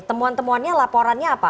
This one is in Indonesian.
temuan temuan nya laporannya apa